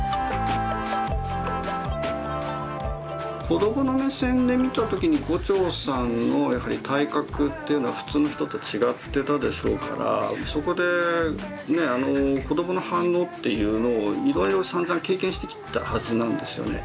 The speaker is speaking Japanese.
子どもの目線で見た時に牛腸さんのやはり体格というのは普通の人と違ってたでしょうからそこでね子どもの反応っていうのをいろいろさんざん経験してきたはずなんですよね。